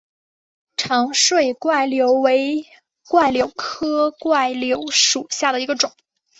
长穗柽柳为柽柳科柽柳属下的一个种。